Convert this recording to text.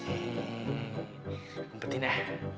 ini kumpetin ya